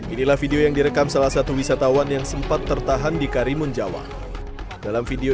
inilah video yang direkam salah satu wisatawan yang sempat tertahan di karimun jawa dalam video